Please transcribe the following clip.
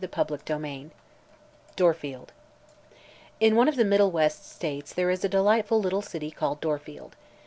CHAPTER XIII DORFIELD In one of the middle west states there is a delightful little city called Dorfield.